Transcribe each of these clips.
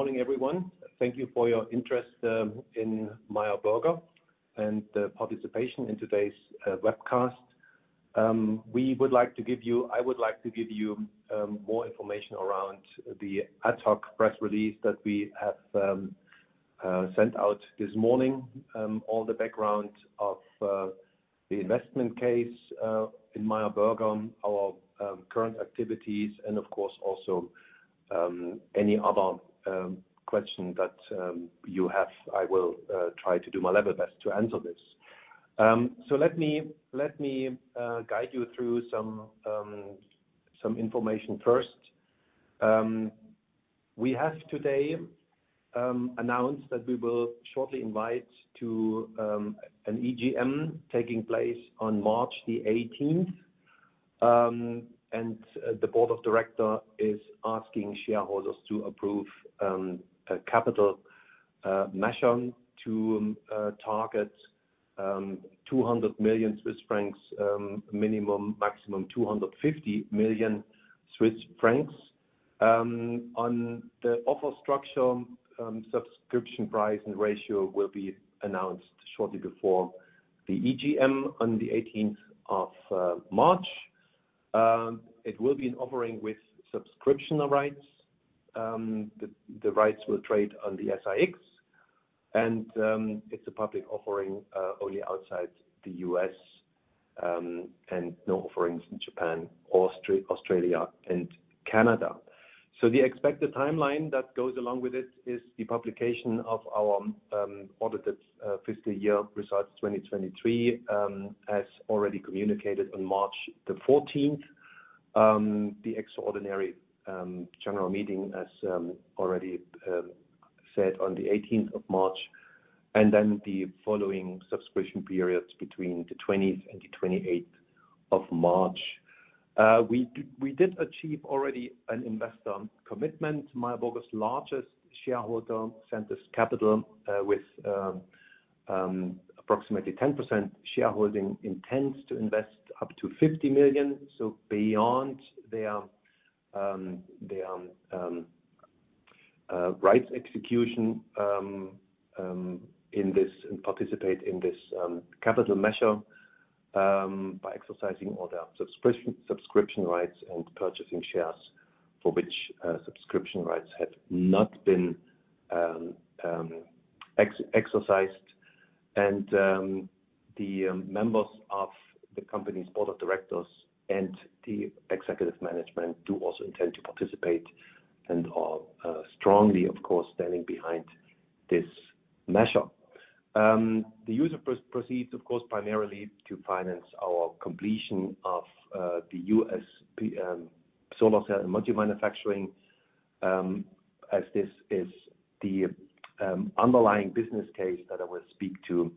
Morning everyone. Thank you for your interest in Meyer Burger and participation in today's webcast. I would like to give you more information around the ad hoc press release that we have sent out this morning, all the background of the investment case in Meyer Burger, our current activities, and of course also any other question that you have. I will try to do my level best to answer this. So let me guide you through some information first. We have today announced that we will shortly invite to an EGM taking place on March 18th. And the board of directors is asking shareholders to approve a capital measure to target 200 million Swiss francs minimum, maximum 250 million Swiss francs. On the offer structure, subscription price and ratio will be announced shortly before the EGM on the 18th of March. It will be an offering with subscription rights. The rights will trade on the SIX, and it's a public offering only outside the U.S., and no offerings in Japan, Australia, and Canada. So the expected timeline that goes along with it is the publication of our audited fiscal year results 2023, as already communicated on March the 14th, the extraordinary general meeting, as already said on the 18th of March, and then the following subscription periods between the 20th and the 28th of March. We did achieve already an investor commitment. Meyer Burger's largest shareholder Sentis Capital, with approximately 10% shareholding, intends to invest up to 50 million, so beyond their rights execution, in this and participate in this capital measure, by exercising all their subscription rights and purchasing shares for which subscription rights have not been exercised. The members of the company's board of directors and the executive management do also intend to participate and are strongly, of course, standing behind this measure. The use of proceeds, of course, primarily to finance our completion of the U.S. PV solar cell and module manufacturing, as this is the underlying business case that I will speak to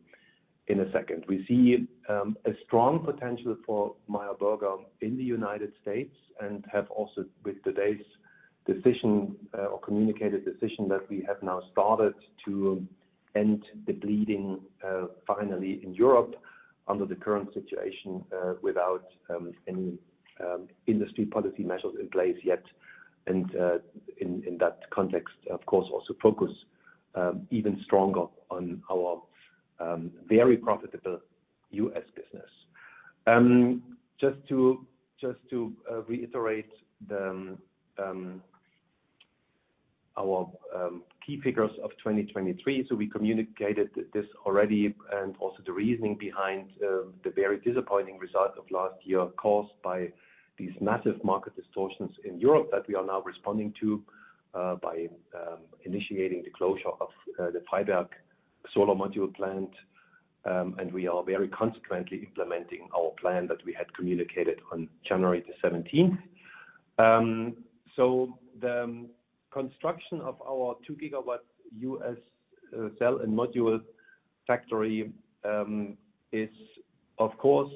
in a second. We see a strong potential for Meyer Burger in the United States and have also with today's decision, or communicated decision, that we have now started to end the bleeding finally in Europe under the current situation, without any industry policy measures in place yet. In that context, of course, also focus even stronger on our very profitable US business. Just to reiterate our key figures of 2023. So we communicated this already and also the reasoning behind the very disappointing result of last year caused by these massive market distortions in Europe that we are now responding to by initiating the closure of the Freiberg solar module plant. And we are very consequently implementing our plan that we had communicated on January the 17th. So the construction of our 2-gigawatt U.S. cell and module factory is, of course,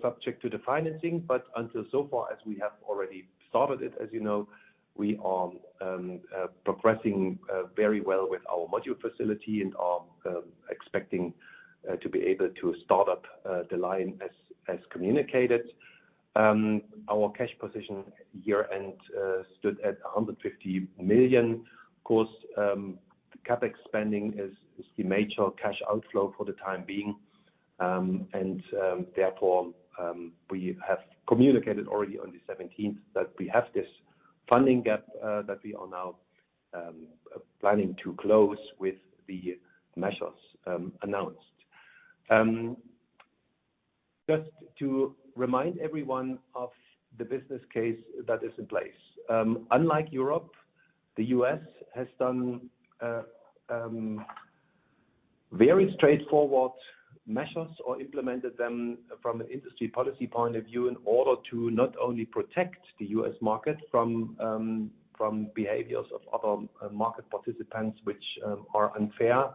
subject to the financing, but up to so far as we have already started it, as you know, we are progressing very well with our module facility and are expecting to be able to start up the line as communicated. Our cash position year-end stood at 150 million. Of course, CapEx spending is the major cash outflow for the time being, and therefore, we have communicated already on the 17th that we have this funding gap that we are now planning to close with the measures announced. Just to remind everyone of the business case that is in place. Unlike Europe, the U.S. has done very straightforward measures or implemented them from an industry policy point of view in order to not only protect the U.S. market from behaviors of other market participants, which are unfair,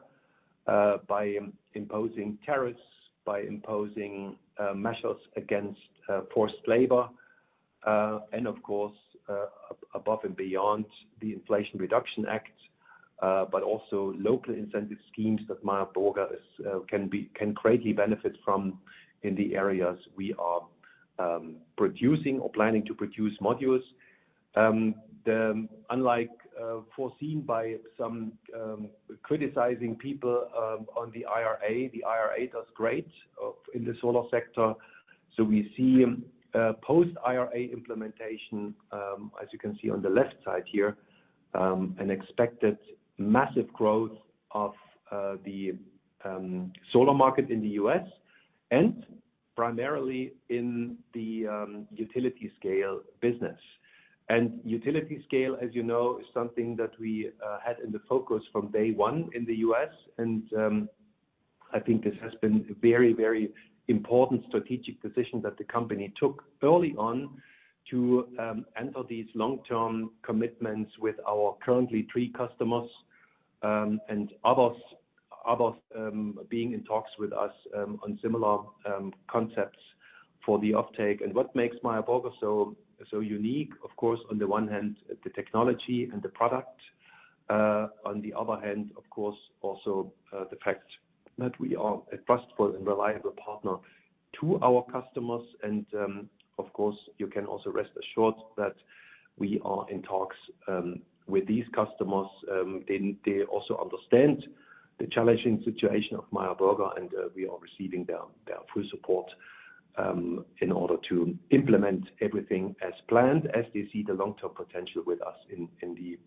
by imposing tariffs, by imposing measures against forced labor, and of course, above and beyond the Inflation Reduction Act, but also local incentive schemes that Meyer Burger can greatly benefit from in the areas we are producing or planning to produce modules. Unlike foreseen by some criticizing people on the IRA, the IRA does great in the solar sector. So we see, post-IRA implementation, as you can see on the left side here, an expected massive growth of the solar market in the U.S. and primarily in the utility scale business. Utility scale, as you know, is something that we had in the focus from day one in the U.S., and I think this has been a very, very important strategic decision that the company took early on to enter these long-term commitments with our currently three customers, and others, others, being in talks with us on similar concepts for the uptake. And what makes Meyer Burger so unique, of course, on the one hand, the technology and the product, on the other hand, of course, also the fact that we are a trustful and reliable partner to our customers. Of course, you can also rest assured that we are in talks with these customers. They also understand the challenging situation of Meyer Burger, and we are receiving their full support in order to implement everything as planned as they see the long-term potential with us in the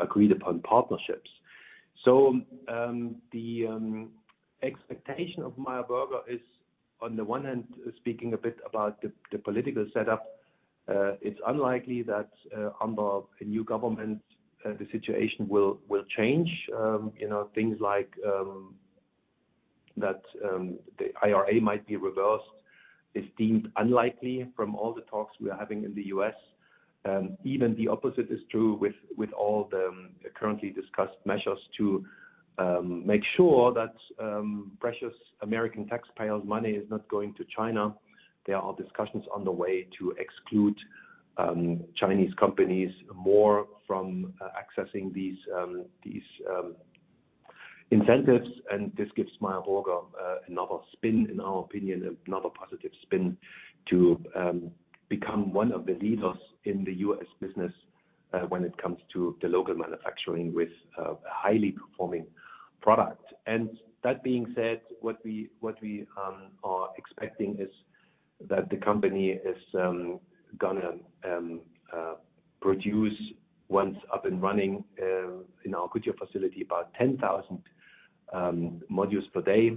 agreed-upon partnerships. So, the expectation of Meyer Burger is on the one hand, speaking a bit about the political setup, it's unlikely that, under a new government, the situation will change. You know, things like that, the IRA might be reversed is deemed unlikely from all the talks we are having in the U.S. Even the opposite is true with all the currently discussed measures to make sure that precious American taxpayers' money is not going to China. There are discussions underway to exclude Chinese companies more from accessing these incentives. This gives Meyer Burger another spin, in our opinion, another positive spin to become one of the leaders in the U.S. business, when it comes to the local manufacturing with a highly performing product. That being said, what we are expecting is that the company is gonna produce once up and running, in our Goodyear facility about 10,000 modules per day,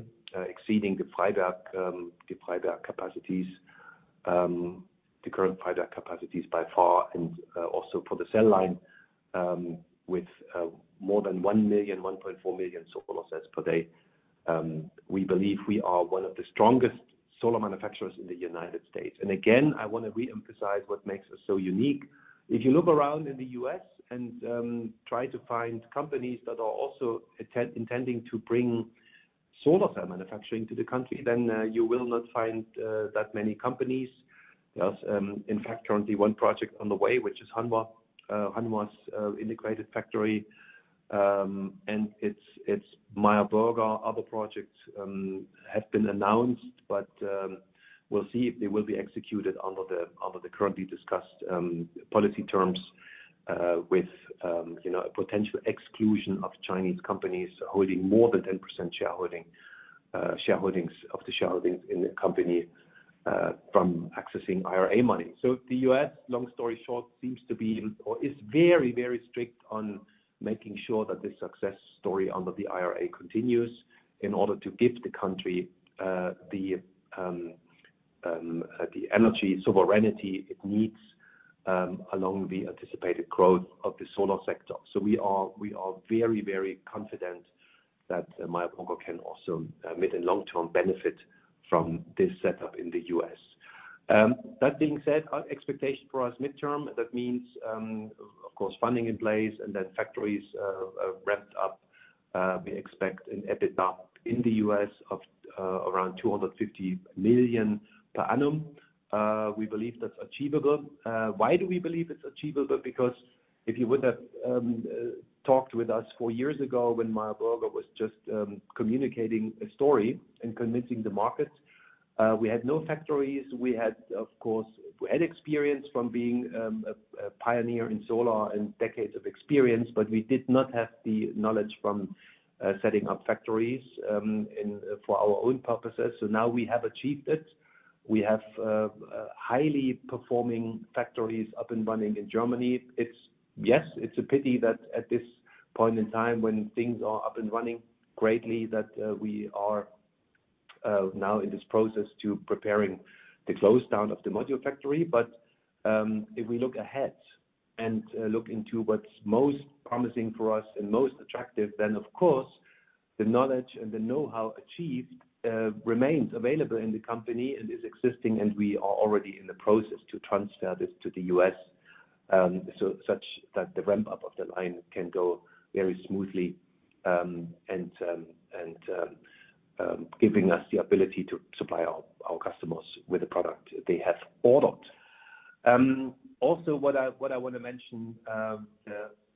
exceeding the Freiberg capacities, the current Freiberg capacities by far. Also for the cell line with more than 1 million, 1.4 million solar cells per day, we believe we are one of the strongest solar manufacturers in the United States. Again, I want to reemphasize what makes us so unique. If you look around in the U.S. and try to find companies that are also intending to bring solar cell manufacturing to the country, then you will not find that many companies. There's, in fact, currently one project underway, which is Hanwha, Hanwha's integrated factory, and it's Meyer Burger. Other projects have been announced, but we'll see if they will be executed under the currently discussed policy terms, with, you know, a potential exclusion of Chinese companies holding more than 10% shareholdings in the company, from accessing IRA money. So the U.S., long story short, seems to be or is very, very strict on making sure that this success story under the IRA continues in order to give the country the energy sovereignty it needs, along the anticipated growth of the solar sector. So we are we are very, very confident that Meyer Burger can also, mid- and long-term, benefit from this setup in the U.S. That being said, our expectation for U.S. midterm, that means, of course, funding in place and then factories ramped up, we expect an EBITDA in the U.S. of around $250 million per annum. We believe that's achievable. Why do we believe it's achievable? Because if you would have talked with us four years ago when Meyer Burger was just communicating a story and convincing the markets, we had no factories. We had, of course, we had experience from being a pioneer in solar and decades of experience, but we did not have the knowledge from setting up factories in for our own purposes. So now we have achieved it. We have highly performing factories up and running in Germany. Yes, it's a pity that at this point in time when things are up and running greatly that we are now in this process to preparing the closed down of the module factory. But if we look ahead and look into what's most promising for us and most attractive, then of course the knowledge and the know-how achieved remains available in the company and is existing, and we are already in the process to transfer this to the US so that the ramp-up of the line can go very smoothly, and giving us the ability to supply our customers with the product they have ordered. Also, what I want to mention,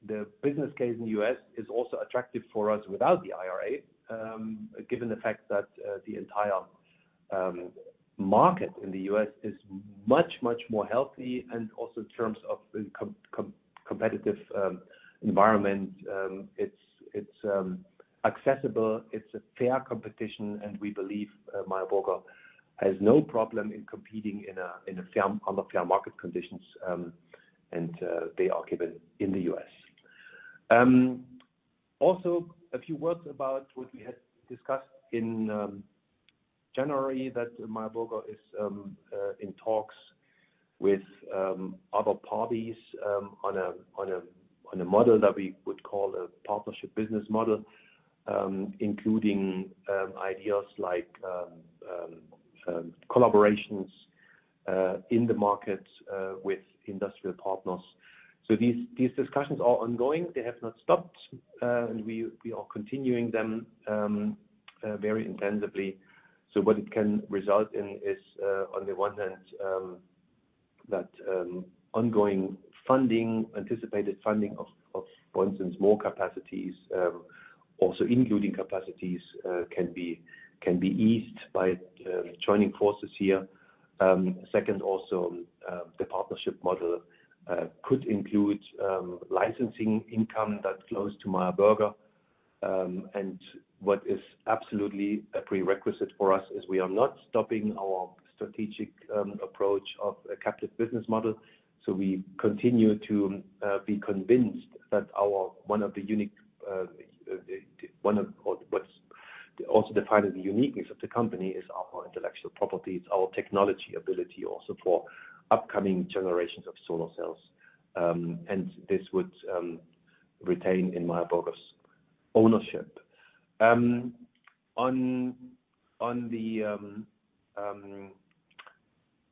the business case in the US is also attractive for us without the IRA, given the fact that the entire market in the US is much more healthy. Also in terms of the competitive environment, it's accessible. It's a fair competition, and we believe Meyer Burger has no problem in competing in a fair under fair market conditions, and they are given in the U.S. Also a few words about what we had discussed in January that Meyer Burger is in talks with other parties on a model that we would call a partnership business model, including ideas like collaborations in the market with industrial partners. So these discussions are ongoing. They have not stopped, and we are continuing them very intensively. So what it can result in is, on the one hand, that ongoing funding, anticipated funding of, for instance, more capacities, also including capacities, can be eased by joining forces here. Second, also, the partnership model could include licensing income that flows to Meyer Burger. And what is absolutely a prerequisite for us is we are not stopping our strategic approach of a captive business model. So we continue to be convinced that our one of the unique, one of or what's also defined as the uniqueness of the company is our intellectual property. It's our technology ability also for upcoming generations of solar cells. And this would retain in Meyer Burger's ownership. On the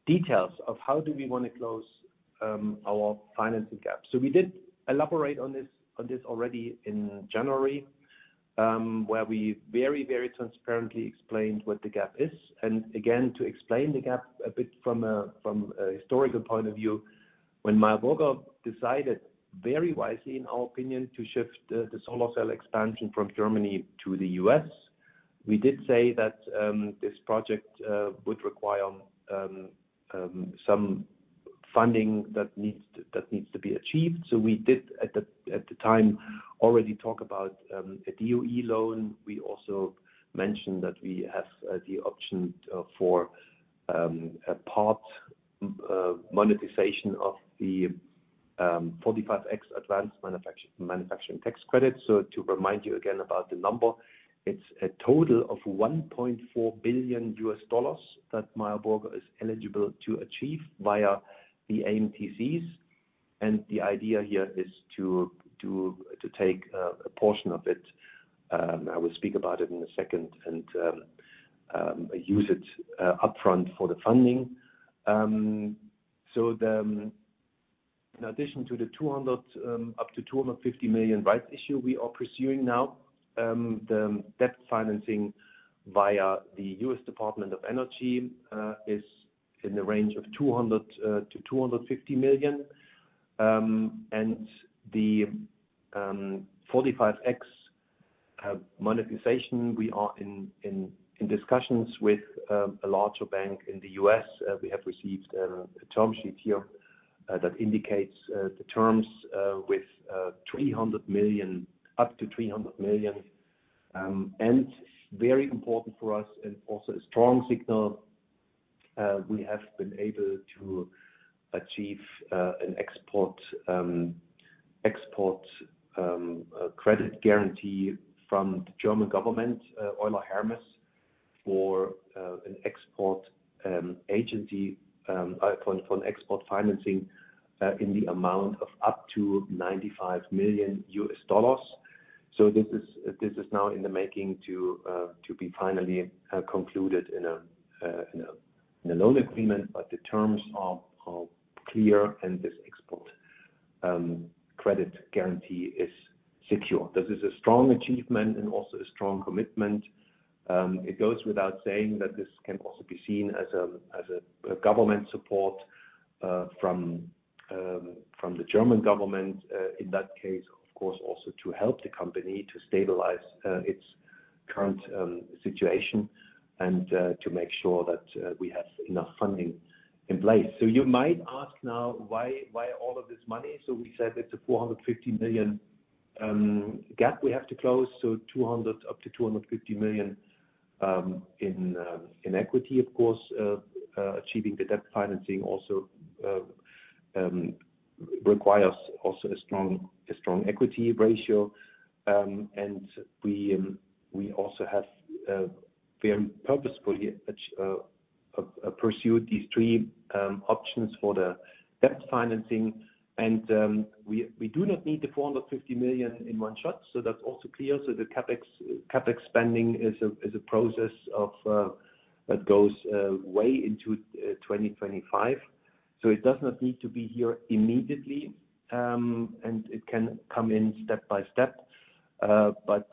details of how do we want to close our financing gap. So we did elaborate on this on this already in January, where we very, very transparently explained what the gap is. And again, to explain the gap a bit from a historical point of view, when Meyer Burger decided very wisely, in our opinion, to shift the solar cell expansion from Germany to the U.S., we did say that this project would require some funding that needs to be achieved. So we did at the time already talk about a DOE loan. We also mentioned that we have the option for a part monetization of the 45X advanced manufacturing tax credit. So to remind you again about the number, it's a total of $1.4 billion that Meyer Burger is eligible to achieve via the AMTCs. And the idea here is to take a portion of it. I will speak about it in a second and use it upfront for the funding. So in addition to the 200 million up to 250 million rights issue we are pursuing now, the debt financing via the US Department of Energy is in the range of $200 million-$250 million. And the 45X monetization, we are in discussions with a larger bank in the U.S. We have received a term sheet here that indicates the terms with $300 million up to $300 million. And very important for us and also a strong signal, we have been able to achieve an export credit guarantee from the German government, Euler Hermes for an export agency for an export financing in the amount of up to $95 million. So this is now in the making to be finally concluded in a loan agreement. But the terms are clear, and this export credit guarantee is secure. This is a strong achievement and also a strong commitment. It goes without saying that this can also be seen as a government support from the German government. In that case, of course, also to help the company to stabilize its current situation and to make sure that we have enough funding in place. So you might ask now why all of this money. So we said it's a 450 million gap we have to close. So 200 million-250 million in equity, of course. Achieving the debt financing also requires also a strong equity ratio. And we also have very purposefully pursued these three options for the debt financing. And we do not need the 450 million in one shot. So that's also clear. So the CapEx spending is a process that goes way into 2025. So it does not need to be here immediately, and it can come in step by step. But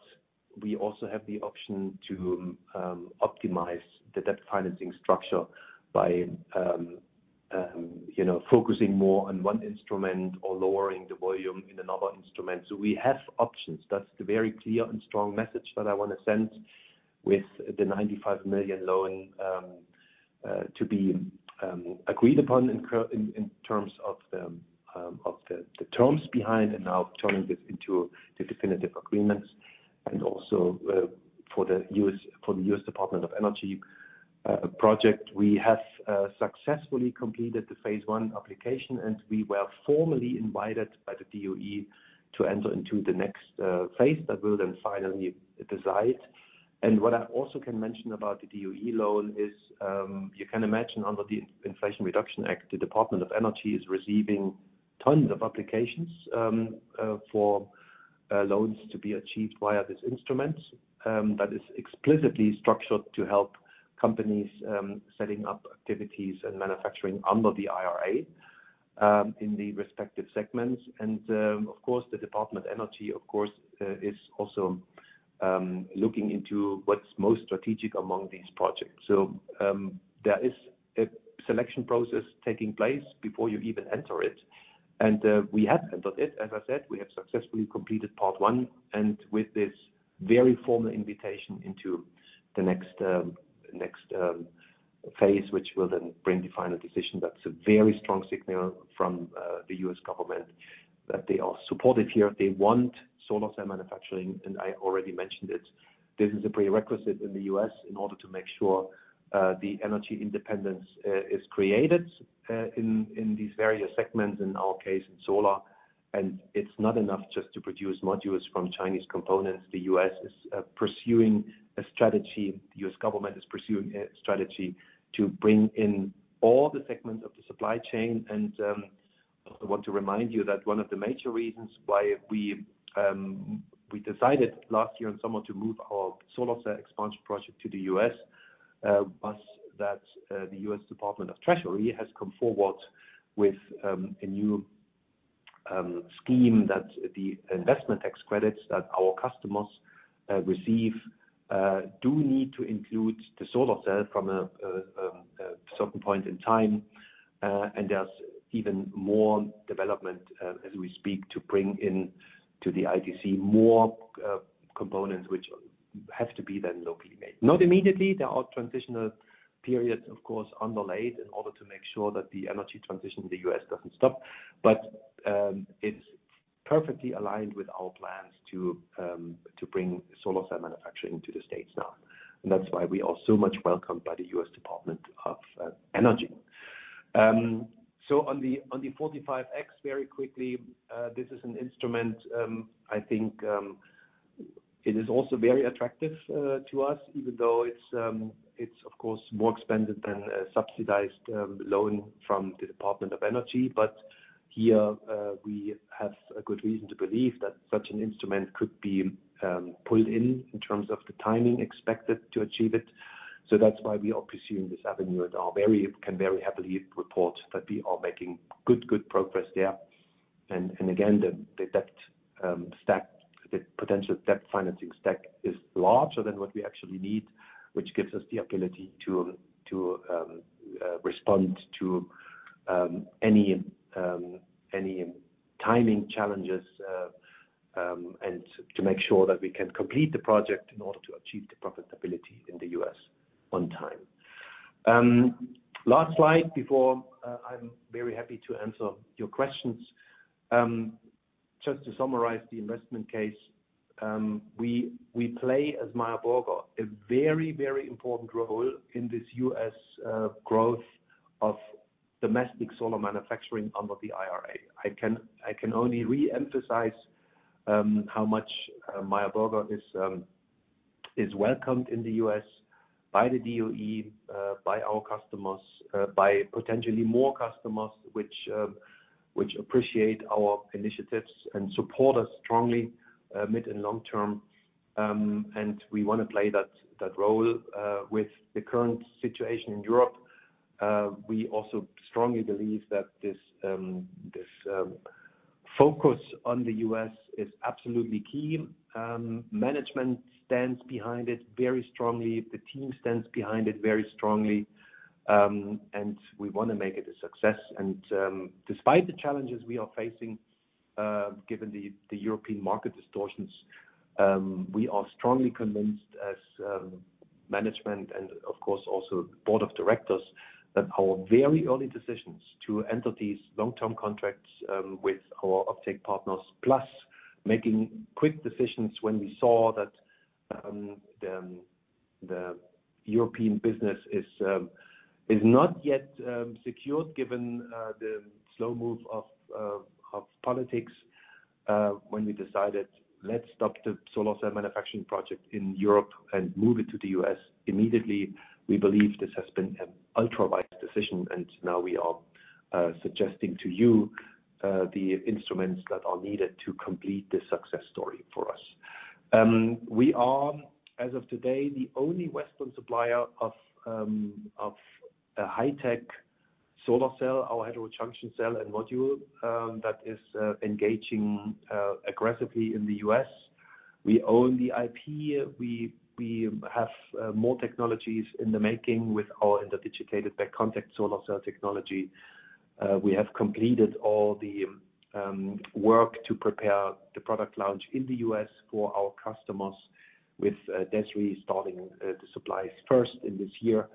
we also have the option to optimize the debt financing structure by, you know, focusing more on one instrument or lowering the volume in another instrument. So we have options. That's the very clear and strong message that I want to send with the 95 million loan, to be agreed upon in current terms of the terms behind and now turning this into the definitive agreements. And also, for the U.S. Department of Energy project, we have successfully completed the phase one application, and we were formally invited by the DOE to enter into the next phase that will then finally decide. And what I also can mention about the DOE loan is, you can imagine under the Inflation Reduction Act, the Department of Energy is receiving tons of applications for loans to be achieved via this instrument that is explicitly structured to help companies setting up activities and manufacturing under the IRA in the respective segments. And, of course, the Department of Energy is also looking into what's most strategic among these projects. So, there is a selection process taking place before you even enter it. And we have entered it. As I said, we have successfully completed part one. And with this very formal invitation into the next phase, which will then bring the final decision, that's a very strong signal from the U.S. government that they are supportive here. They want solar cell manufacturing. And I already mentioned it. This is a prerequisite in the U.S. in order to make sure the energy independence is created in these various segments, in our case, in solar. It's not enough just to produce modules from Chinese components. The U.S. is pursuing a strategy. The U.S. government is pursuing a strategy to bring in all the segments of the supply chain. I want to remind you that one of the major reasons why we decided last year and summer to move our solar cell expansion project to the U.S. was that the U.S. Department of the Treasury has come forward with a new scheme that the investment tax credits that our customers receive do need to include the solar cell from a certain point in time. And there's even more development, as we speak, to bring in to the ITC more components, which have to be then locally made. Not immediately. There are transitional periods, of course, underlaid in order to make sure that the energy transition in the U.S. doesn't stop. But it's perfectly aligned with our plans to bring solar cell manufacturing to the States now. And that's why we are so much welcomed by the U.S. Department of Energy. So on the 45X, very quickly, this is an instrument, I think. It is also very attractive to us, even though it's, of course, more expensive than a subsidized loan from the Department of Energy. But here, we have a good reason to believe that such an instrument could be pulled in in terms of the timing expected to achieve it. So that's why we are pursuing this avenue and are very happy to report that we are making good progress there. And again, the debt stack, the potential debt financing stack is larger than what we actually need, which gives us the ability to respond to any timing challenges, and to make sure that we can complete the project in order to achieve the profitability in the U.S. on time. Last slide before, I'm very happy to answer your questions. Just to summarize the investment case, we play as Meyer Burger a very important role in this U.S. growth of domestic solar manufacturing under the IRA. I can only reemphasize how much Meyer Burger is welcomed in the U.S. by the DOE, by our customers, by potentially more customers, which appreciate our initiatives and support us strongly, mid and long term. We want to play that role with the current situation in Europe. We also strongly believe that this focus on the U.S. is absolutely key. Management stands behind it very strongly. The team stands behind it very strongly. We want to make it a success. Despite the challenges we are facing, given the European market distortions, we are strongly convinced, as management and, of course, also board of directors, that our very early decisions to enter these long-term contracts with our offtake partners, plus making quick decisions when we saw that the European business is not yet secured given the slow move of politics, when we decided, "Let's stop the solar cell manufacturing project in Europe and move it to the U.S. immediately," we believe this has been an ultra-wise decision. And now we are suggesting to you the instruments that are needed to complete this success story for us. We are, as of today, the only Western supplier of a high-tech solar cell, our heterojunction cell and module, that is engaging aggressively in the U.S. We own the IP. We have more technologies in the making with our interdigitated back contact solar cell technology. We have completed all the work to prepare the product launch in the U.S. for our customers with DESRI starting the supplies first in this year.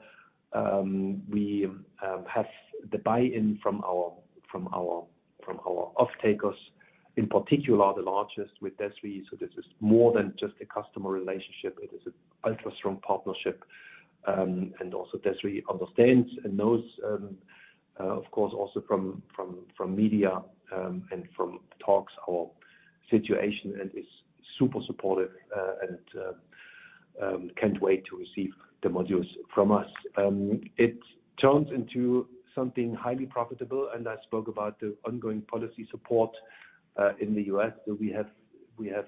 We have the buy-in from our uptakers, in particular, the largest with DESRI. So this is more than just a customer relationship. It is an ultra-strong partnership. And also DESRI understands and knows, of course, also from media, and from talks, our situation and is super supportive and can't wait to receive the modules from us. It turns into something highly profitable. And I spoke about the ongoing policy support in the U.S. So we have,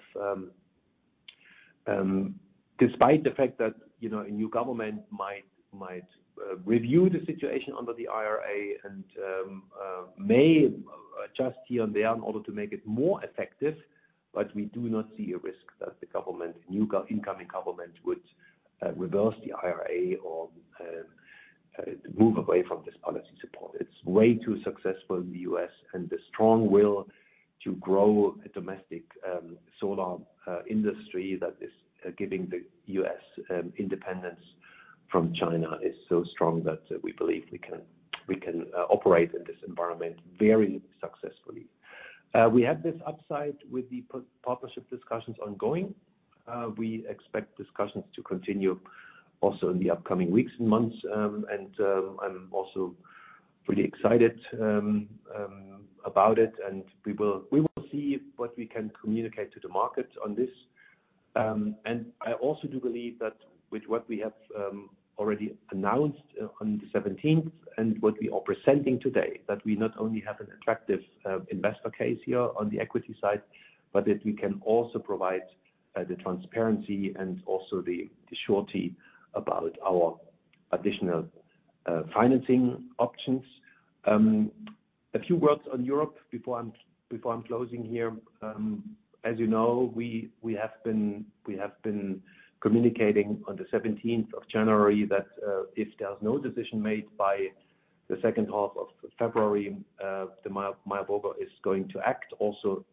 despite the fact that, you know, a new government might review the situation under the IRA and may adjust here and there in order to make it more effective. But we do not see a risk that the new incoming government would reverse the IRA or move away from this policy support. It's way too successful in the U.S. And the strong will to grow a domestic solar industry that is giving the US independence from China is so strong that we believe we can operate in this environment very successfully. We have this upside with the partnership discussions ongoing. We expect discussions to continue also in the upcoming weeks and months. And I'm also pretty excited about it. And we will see what we can communicate to the market on this. I also do believe that with what we have already announced on the 17th and what we are presenting today, that we not only have an attractive investor case here on the equity side, but that we can also provide the transparency and also the surety about our additional financing options. A few words on Europe before I'm closing here. As you know, we have been communicating on the 17th of January that, if there's no decision made by the second half of February, the Meyer Burger is going to act also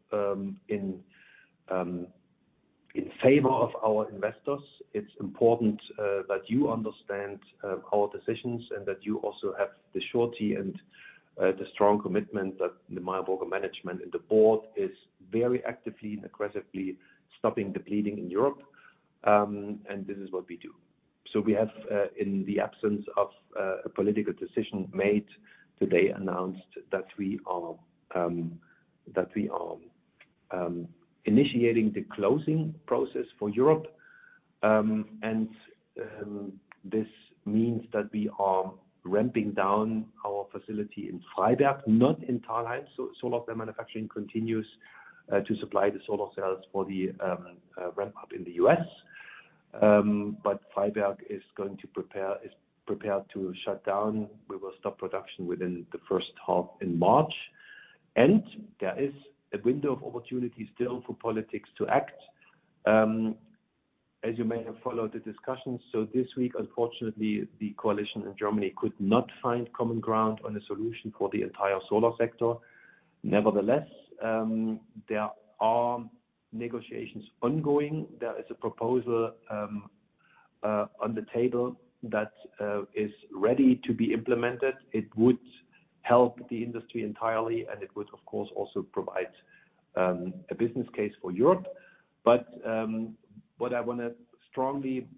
in favor of our investors. It's important that you understand our decisions and that you also have the surety and the strong commitment that the Meyer Burger management and the board is very actively and aggressively stopping the bleeding in Europe. This is what we do. So we have, in the absence of a political decision made today, announced that we are initiating the closing process for Europe. This means that we are ramping down our facility in Freiberg, not in Thalheim. Solar cell manufacturing continues, to supply the solar cells for the ramp-up in the U.S. But Freiberg is prepared to shut down. We will stop production within the first half in March. There is a window of opportunity still for politics to act. As you may have followed the discussions, this week, unfortunately, the coalition in Germany could not find common ground on a solution for the entire solar sector. Nevertheless, there are negotiations ongoing. There is a proposal on the table that is ready to be implemented. It would help the industry entirely, and it would, of course, also provide a business case for Europe. But what I want to strongly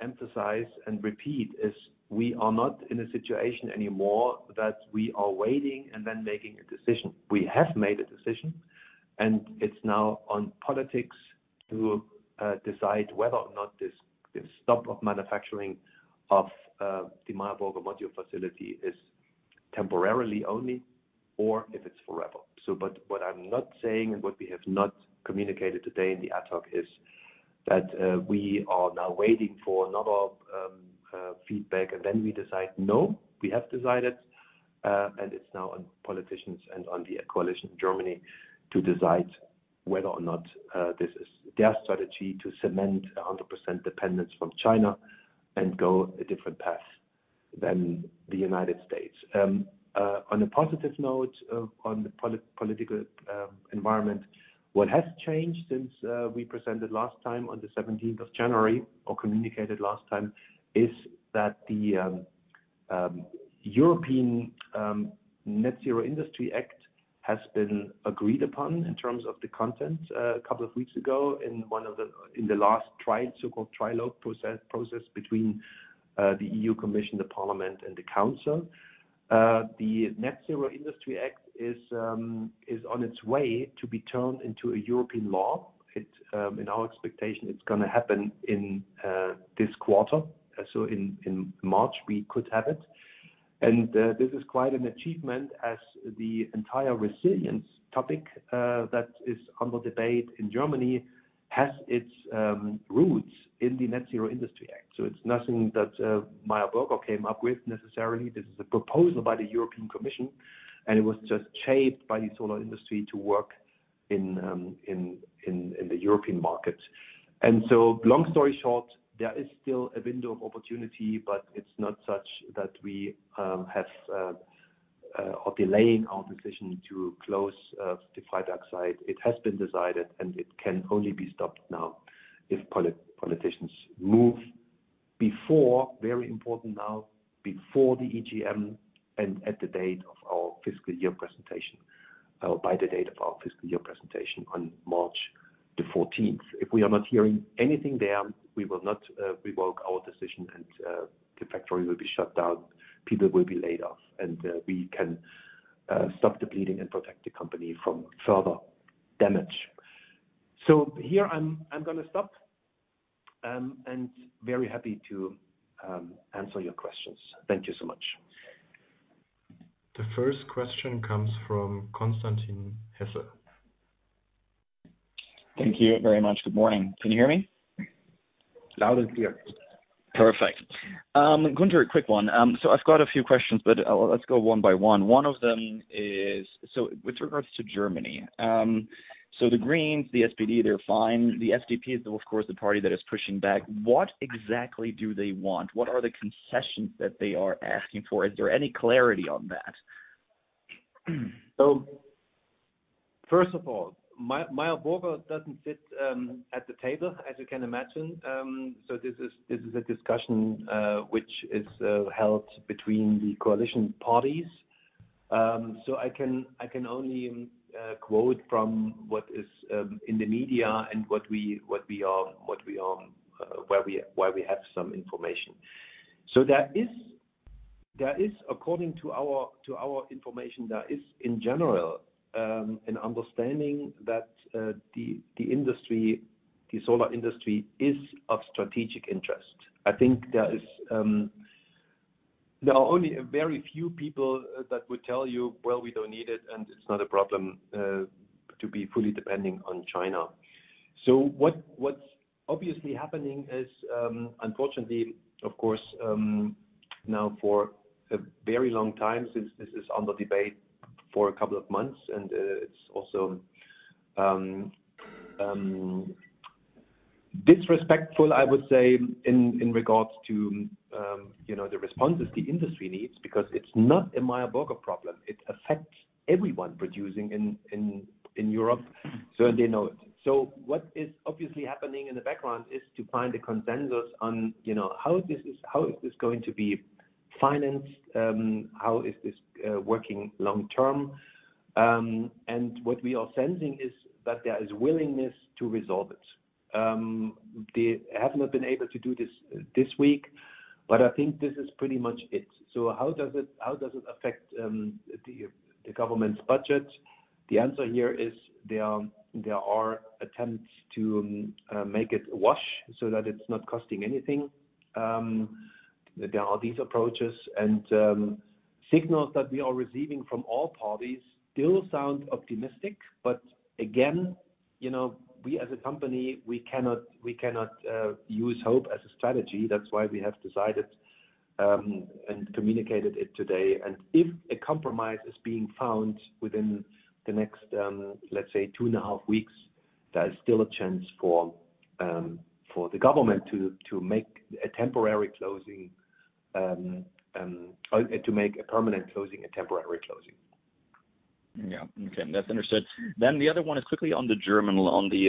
emphasize and repeat is we are not in a situation anymore that we are waiting and then making a decision. We have made a decision. And it's now on politics to decide whether or not this, this stop of manufacturing of the Meyer Burger module facility is temporarily only or if it's forever. So but what I'm not saying and what we have not communicated today in the ad hoc is that we are now waiting for another feedback, and then we decide, "No, we have decided," and it's now on politicians and on the coalition in Germany to decide whether or not this is their strategy to cement 100% dependence from China and go a different path than the United States. On a positive note, on the political environment, what has changed since we presented last time on the 17th of January or communicated last time is that the European Net Zero Industry Act has been agreed upon in terms of the content a couple of weeks ago in one of the last trial so-called trilogue process between the EU Commission, the Parliament, and the Council. The Net Zero Industry Act is on its way to be turned into a European law. It, in our expectation, it's going to happen in this quarter. So in March, we could have it. This is quite an achievement as the entire resilience topic that is under debate in Germany has its roots in the Net Zero Industry Act. So it's nothing that Meyer Burger came up with necessarily. This is a proposal by the European Commission, and it was just shaped by the solar industry to work in the European market. So long story short, there is still a window of opportunity, but it's not such that we are delaying our decision to close the Freiberg site. It has been decided, and it can only be stopped now if politicians move before, very important now, before the EGM and at the date of our fiscal year presentation, by the date of our fiscal year presentation on March the 14th. If we are not hearing anything there, we will not revoke our decision, and the factory will be shut down. People will be laid off. And we can stop the bleeding and protect the company from further damage. So here, I'm going to stop, and very happy to answer your questions. Thank you so much. The first question comes from Konstantin Hesse. Thank you very much. Good morning. Can you hear me? Loud and clear. Perfect. Going to a quick one. So I've got a few questions, but let's go one by one. One of them is so with regards to Germany, so the Greens, the SPD, they're fine. The FDP is, of course, the party that is pushing back. What exactly do they want? What are the concessions that they are asking for? Is there any clarity on that? So first of all, Meyer Burger doesn't sit at the table, as you can imagine. So this is a discussion, which is held between the coalition parties. So I can only quote from what is in the media and what we are where we have some information. So there is, according to our information, there is, in general, an understanding that the solar industry is of strategic interest. I think there are only very few people that would tell you, "Well, we don't need it, and it's not a problem to be fully depending on China." So what's obviously happening is, unfortunately, of course, now for a very long time since this is under debate for a couple of months, and it's also disrespectful, I would say, in regards to, you know, the responses the industry needs because it's not a Meyer Burger problem. It affects everyone producing in Europe. So they know it. So what is obviously happening in the background is to find a consensus on, you know, how this is, how is this going to be financed, how is this working long-term. And what we are sensing is that there is willingness to resolve it. They have not been able to do this this week, but I think this is pretty much it. So how does it, how does it affect the government's budget? The answer here is there are attempts to make it wash so that it's not costing anything. There are these approaches. And signals that we are receiving from all parties still sound optimistic. But again, you know, we as a company, we cannot use hope as a strategy. That's why we have decided and communicated it today. If a compromise is being found within the next, let's say, two and a half weeks, there is still a chance for the government to make a temporary closing, or to make a permanent closing. Yeah. Okay. That's understood. Then the other one is quickly on the German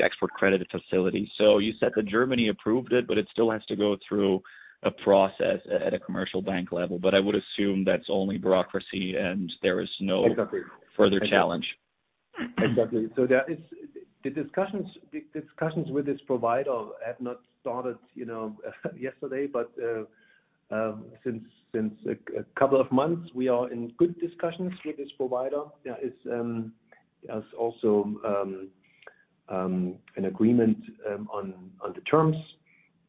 export credit facility. So you said that Germany approved it, but it still has to go through a process at a commercial bank level. But I would assume that's only bureaucracy, and there is no further challenge. Exactly. So the discussions with this provider have not started, you know, yesterday, but since a couple of months, we are in good discussions with this provider. There is, there's also an agreement on the terms,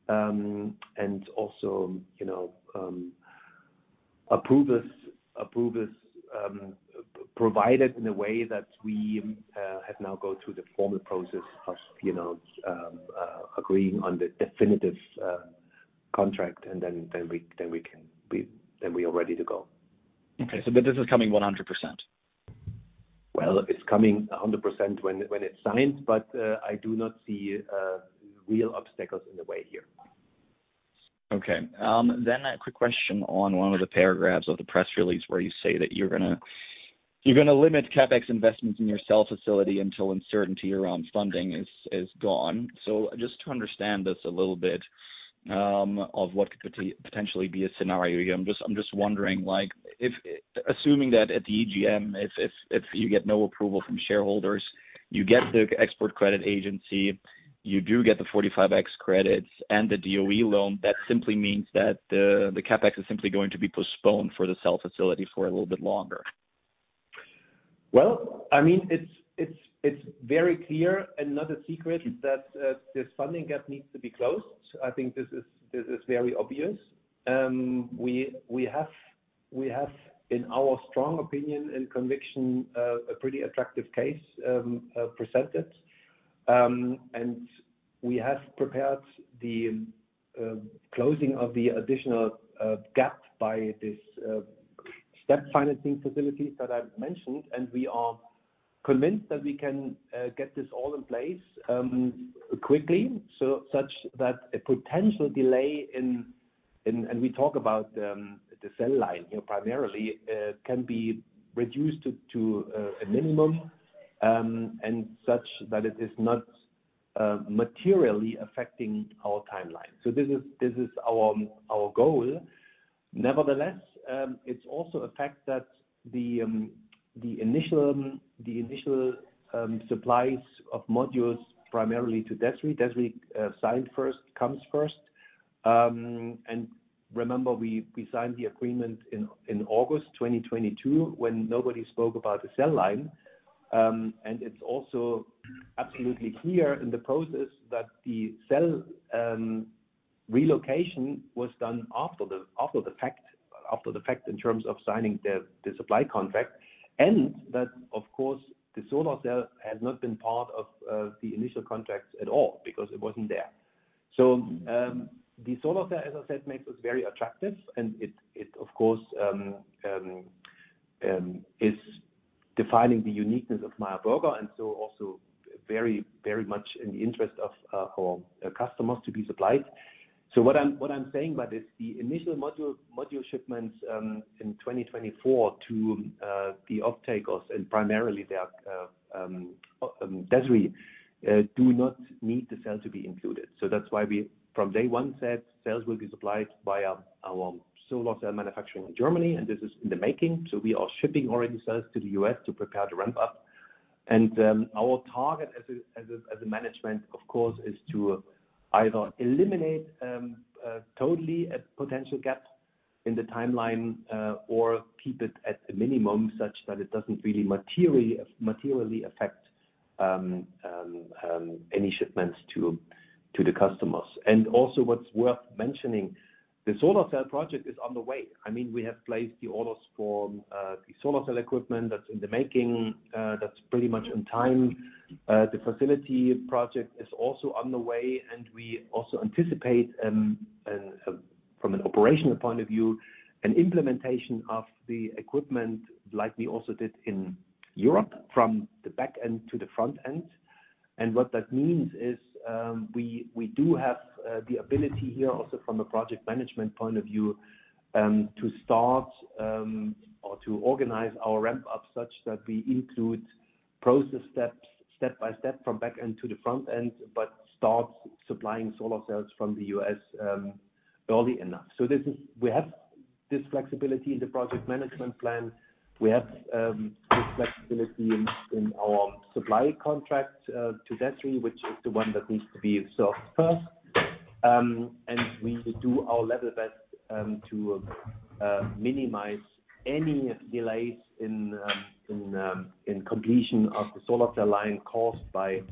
and also, you know, approvals provided in a way that we have now gone through the formal process of, you know, agreeing on the definitive contract, and then we are ready to go. Okay. So that this is coming 100%? Well, it's coming 100% when it's signed. But I do not see real obstacles in the way here. Okay. Then a quick question on one of the paragraphs of the press release where you say that you're going to limit CapEx investments in your cell facility until uncertainty around funding is gone. So just to understand this a little bit of what could potentially be a scenario here, I'm just wondering, like, if assuming that at the EGM, if you get no approval from shareholders, you get the export credit agency, you do get the 45X credits and the DOE loan, that simply means that the CapEx is simply going to be postponed for the cell facility for a little bit longer. Well, I mean, it's very clear and not a secret that this funding gap needs to be closed. I think this is very obvious. We have, in our strong opinion and conviction, a pretty attractive case presented. And we have prepared the closing of the additional gap by this step financing facilities that I've mentioned. And we are convinced that we can get this all in place quickly, so that a potential delay in—and we talk about the cell line here primarily—can be reduced to a minimum, and such that it is not materially affecting our timeline. So this is our goal. Nevertheless, it's also a fact that the initial supplies of modules primarily to DESRI—DESRI signed first comes first. And remember, we signed the agreement in August 2022 when nobody spoke about the cell line. And it's also absolutely clear in the process that the cell relocation was done after the fact in terms of signing the supply contract and that, of course, the solar cell has not been part of the initial contracts at all because it wasn't there. So, the solar cell, as I said, makes us very attractive. And it, of course, is defining the uniqueness of Meyer Burger and so also very, very much in the interest of our customers to be supplied. So what I'm saying by this, the initial module shipments in 2024 to the offtakers and primarily DESRI do not need the cell to be included. So that's why we, from day one, said cells will be supplied via our solar cell manufacturing in Germany. And this is in the making. So we are shipping already cells to the U.S. to prepare to ramp up. And our target as a management, of course, is to either eliminate totally a potential gap in the timeline or keep it at a minimum such that it doesn't really materially affect any shipments to the customers. Also what's worth mentioning, the solar cell project is on the way. I mean, we have placed the orders for the solar cell equipment that's in the making, that's pretty much on time. The facility project is also on the way. We also anticipate, an from an operational point of view, an implementation of the equipment like we also did in Europe from the back end to the front end. What that means is, we, we do have the ability here also from a project management point of view, to start, or to organize our ramp up such that we include process steps step by step from back end to the front end but start supplying solar cells from the US, early enough. So this is we have this flexibility in the project management plan. We have this flexibility in our supply contract to DESRI, which is the one that needs to be solved first. And we do our level best to minimize any delays in completion of the solar cell line caused by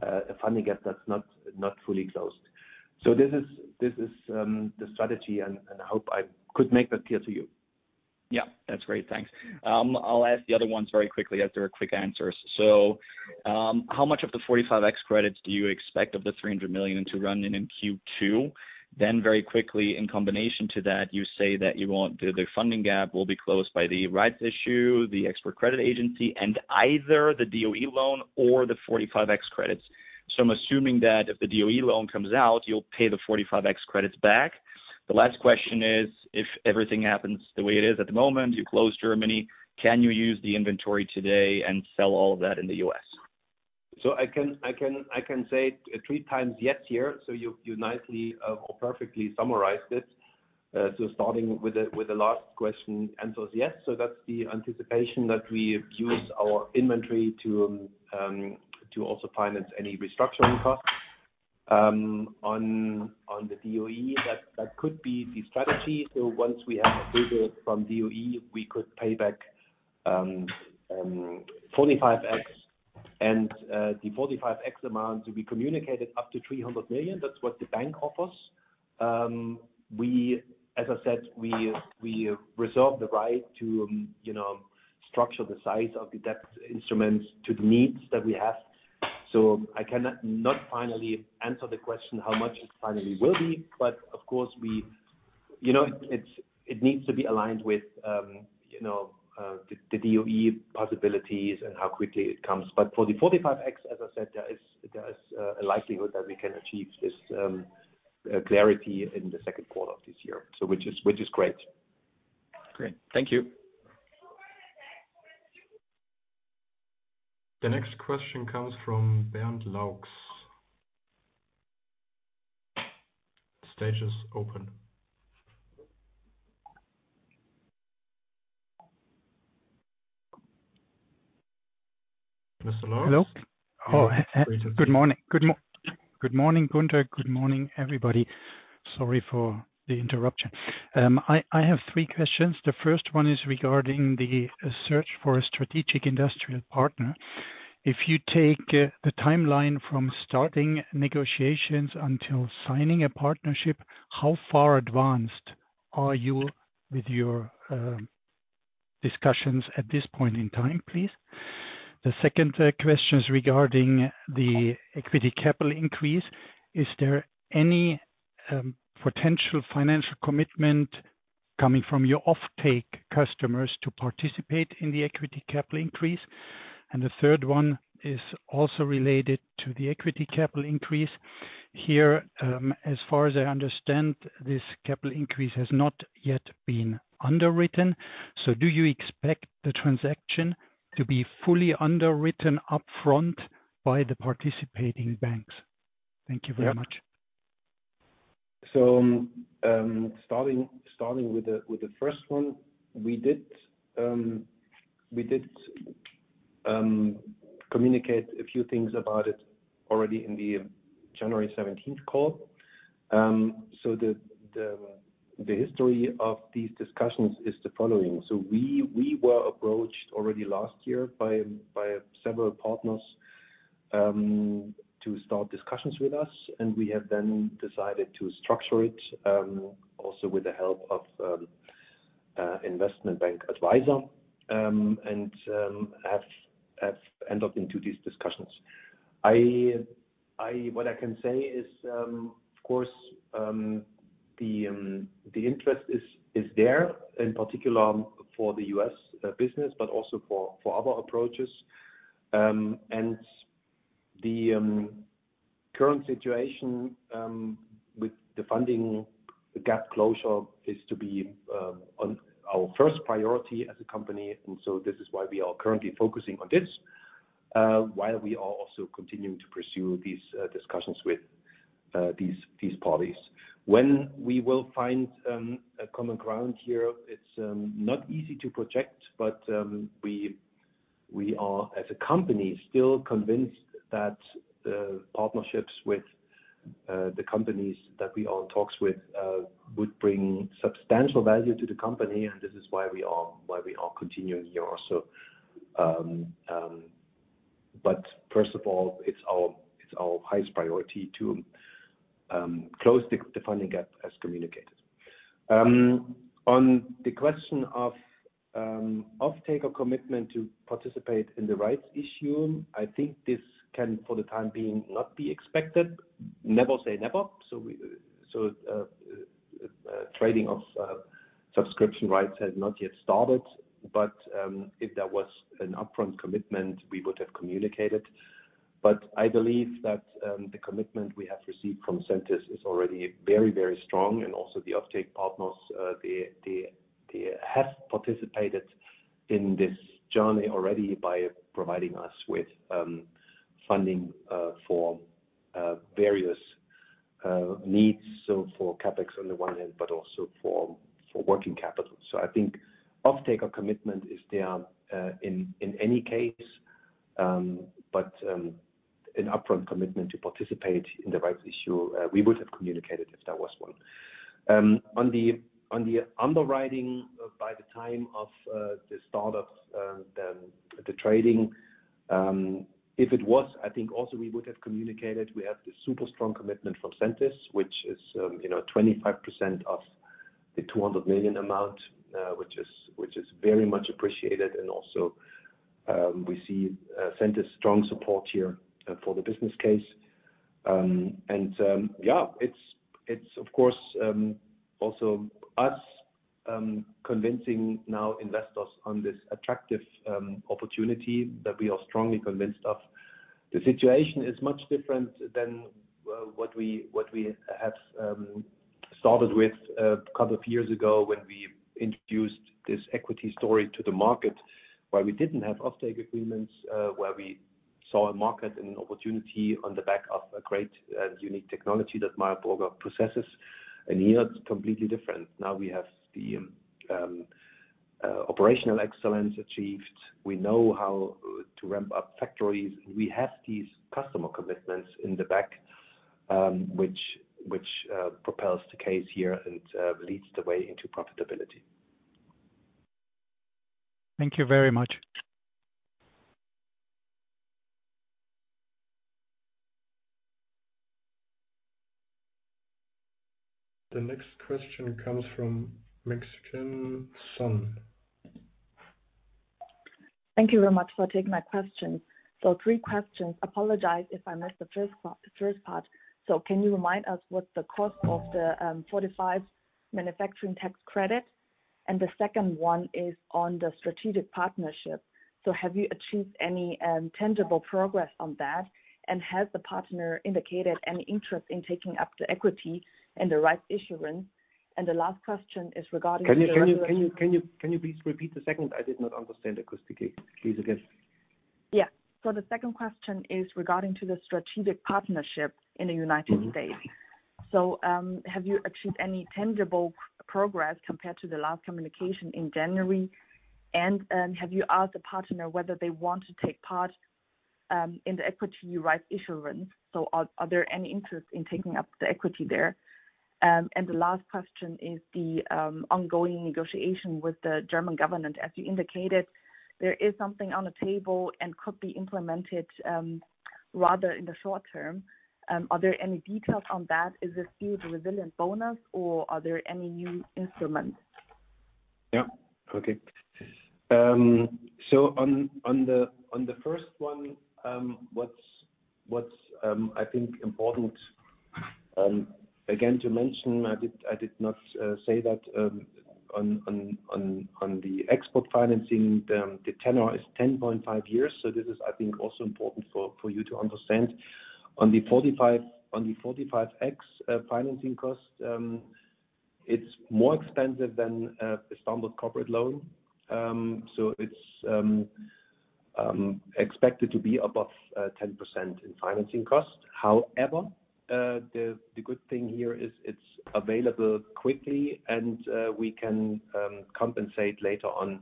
a funding gap that's not fully closed. So this is the strategy. And I hope I could make that clear to you. Yeah. That's great. Thanks. I'll ask the other ones very quickly as they're quick answers. So, how much of the 45X credits do you expect of the $300 million to run in Q2? Then very quickly, in combination to that, you say that you want the funding gap will be closed by the rights issue, the export credit agency, and either the DOE loan or the 45X credits. So I'm assuming that if the DOE loan comes out, you'll pay the 45X credits back. The last question is, if everything happens the way it is at the moment, you closed Germany, can you use the inventory today and sell all of that in the U.S.? So I can I can I can say three times yes here. So you, you nicely, or perfectly summarized it. So starting with the with the last question, answer is yes. So that's the anticipation that we use our inventory to, to also finance any restructuring costs, on, on the DOE. That, that could be the strategy. So once we have approval from DOE, we could pay back 45X. And the 45X amount to be communicated up to $300 million, that's what the bank offers. We, as I said, reserve the right to, you know, structure the size of the debt instruments to the needs that we have. So I cannot not finally answer the question how much it finally will be. But, of course, you know, it needs to be aligned with, you know, the DOE possibilities and how quickly it comes. But for the 45X, as I said, there is a likelihood that we can achieve this clarity in the second quarter of this year, so which is great. Great. Thank you. The next question comes from Bernd Laux. Stage is open. Mr. Laux? Hello. Oh, good morning. Good morning, Gunter. Good morning, everybody. Sorry for the interruption. I have three questions. The first one is regarding the search for a strategic industrial partner. If you take the timeline from starting negotiations until signing a partnership, how far advanced are you with your discussions at this point in time, please? The second question is regarding the equity capital increase. Is there any potential financial commitment coming from your offtake customers to participate in the equity capital increase? And the third one is also related to the equity capital increase. Here, as far as I understand, this capital increase has not yet been underwritten. So do you expect the transaction to be fully underwritten upfront by the participating banks? Thank you very much. Yeah. So, starting with the first one, we did communicate a few things about it already in the January 17th call. So the history of these discussions is the following. So we were approached already last year by several partners to start discussions with us. And we have then decided to structure it, also with the help of investment bank advisor, and have ended up into these discussions. What I can say is, of course, the interest is there, in particular for the U.S. business but also for other approaches. And the current situation with the funding gap closure is to be on our first priority as a company. And so this is why we are currently focusing on this, while we are also continuing to pursue these discussions with these parties. When we will find a common ground here, it's not easy to project. But we are as a company still convinced that partnerships with the companies that we are in talks with would bring substantial value to the company. And this is why we are continuing here also. But first of all, it's our highest priority to close the funding gap as communicated. On the question of offtaker commitment to participate in the rights issue, I think this can, for the time being, not be expected. Never say never. So trading of subscription rights has not yet started. But if there was an upfront commitment, we would have communicated. But I believe that the commitment we have received from Sentis is already very, very strong. And also the offtake partners, they have participated in this journey already by providing us with funding for various needs, so for CapEx on the one hand but also for working capital. So I think offtaker commitment is there, in any case. But an upfront commitment to participate in the rights issue, we would have communicated if there was one. On the underwriting, by the time of the start of the trading, if it was, I think also we would have communicated we have the super strong commitment from Sentis, which is, you know, 25% of the 200 million amount, which is very much appreciated. And also, we see Sentis strong support here, for the business case. And yeah, it's, of course, also us convincing now investors on this attractive opportunity that we are strongly convinced of. The situation is much different than what we have started with a couple of years ago when we introduced this equity story to the market, where we didn't have offtake agreements, where we saw a market and an opportunity on the back of a great, unique technology that Meyer Burger possesses. And here, it's completely different. Now we have the operational excellence achieved. We know how to ramp up factories. And we have these customer commitments in the back, which propels the case here and leads the way into profitability. Thank you very much. The next question comes from Mengxian Sun. Thank you very much for taking my question. So three questions. Apologize if I missed the first part. So can you remind us what the cost of the 45 manufacturing tax credit? And the second one is on the strategic partnership. So have you achieved any tangible progress on that? And has the partner indicated any interest in taking up the equity and the rights issuance? And the last question is regarding the. Can you please repeat the second? I did not understand acoustically. Please again. Yeah. So the second question is regarding to the strategic partnership in the United States. So, have you achieved any tangible progress compared to the last communication in January? And, have you asked the partner whether they want to take part in the equity rights issuance? So are there any interest in taking up the equity there? And the last question is the ongoing negotiation with the German government. As you indicated, there is something on the table and could be implemented rather in the short term. Are there any details on that? Is this due to Resilience Bonus, or are there any new instruments? Yep. Okay. So on the first one, what's important, again, to mention I did not say that, on the export financing, the tenor is 10.5 years. So this is, I think, also important for you to understand. On the 45X financing cost, it's more expensive than a standard corporate loan. So it's expected to be above 10% in financing cost. However, the good thing here is it's available quickly. And we can compensate later on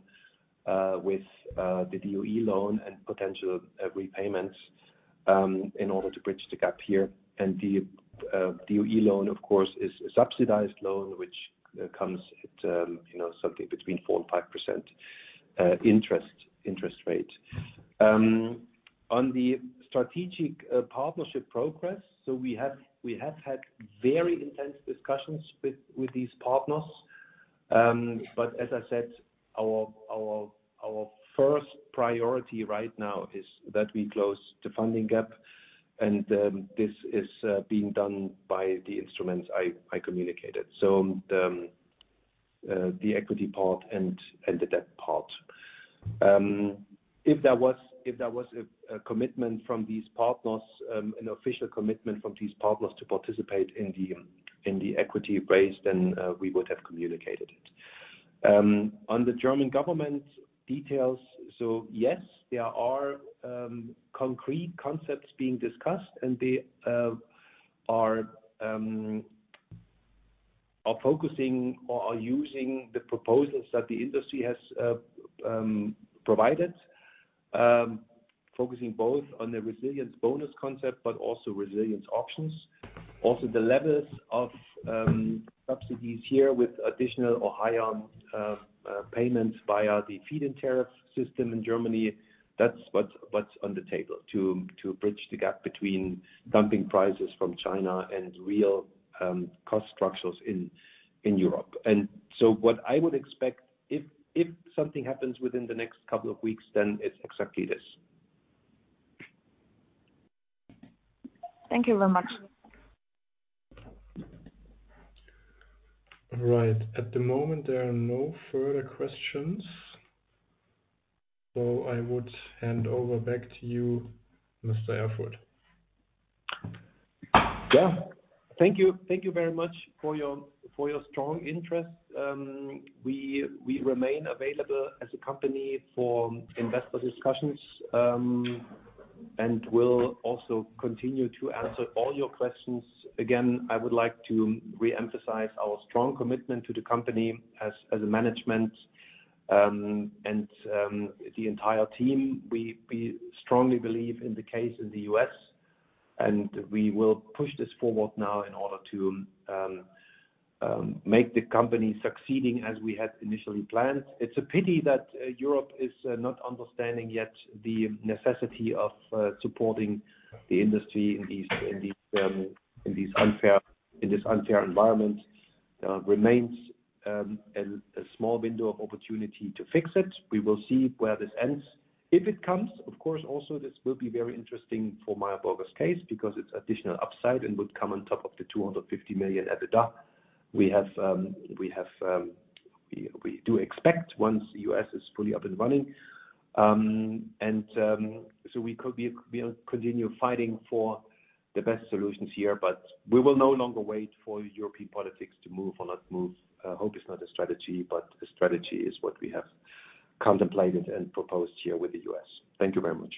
with the DOE loan and potential repayments in order to bridge the gap here. And the DOE loan, of course, is a subsidized loan, which comes at, you know, something between 4%-5% interest rate. On the strategic partnership progress, so we have had very intense discussions with these partners. But as I said, our first priority right now is that we close the funding gap. And this is being done by the instruments I communicated, so the equity part and the debt part. If there was a commitment from these partners, an official commitment from these partners to participate in the equity raise, then we would have communicated it. On the German government details, so yes, there are concrete concepts being discussed. And they are focusing or are using the proposals that the industry has provided, focusing both on the Resilience Bonus concept but also resilience options. Also, the levels of subsidies here with additional or higher payments via the feed-in tariff system in Germany. That's what's on the table to bridge the gap between dumping prices from China and real cost structures in Europe. And so what I would expect if something happens within the next couple of weeks, then it's exactly this. Thank you very much. All right. At the moment, there are no further questions. So I would hand over back to you, Mr. Erfurt. Yeah. Thank you. Thank you very much for your strong interest. We remain available as a company for investor discussions, and will also continue to answer all your questions. Again, I would like to reemphasize our strong commitment to the company as a management, and the entire team. We strongly believe in the case in the U.S. We will push this forward now in order to make the company succeeding as we had initially planned. It's a pity that Europe is not understanding yet the necessity of supporting the industry in this unfair environment; remains a small window of opportunity to fix it. We will see where this ends. If it comes, of course, also, this will be very interesting for Meyer Burger's case because it's additional upside and would come on top of the $250 million at the EBITDA. We do expect once the U.S. is fully up and running, so we will continue fighting for the best solutions here. But we will no longer wait for European politics to move or not move. Hope is not a strategy. A strategy is what we have contemplated and proposed here with the U.S. Thank you very much.